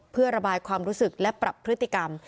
เพื่อระบายความรู้สึกและปรับพฤติกรรม